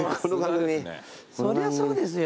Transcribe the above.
そりゃそうですよ。